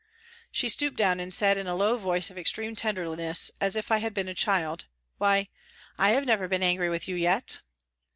She stooped down and said in a low voice of extreme tenderness as if I had been a child :" Why, I have never been angry with you yet."